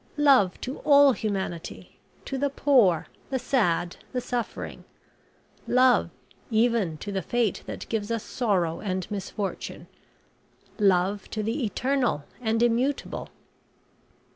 Love to all humanity to the poor the sad the suffering. Love, even to the Fate that gives us sorrow and misfortune. Love to the eternal and immutable.